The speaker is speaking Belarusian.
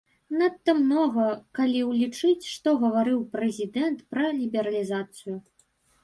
Надта многа, калі ўлічыць, што гаварыў прэзідэнт пра лібералізацыю.